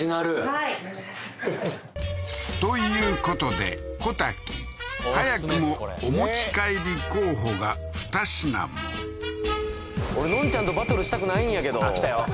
はいということで小瀧早くもお持ち帰り候補がふた品も俺のんちゃんとバトルしたくないんやけどあっきたよ